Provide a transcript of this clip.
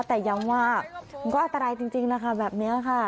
แต่ย้ำว่ามันก็อันตรายจริงนะคะแบบนี้ค่ะ